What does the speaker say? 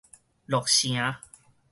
鹿城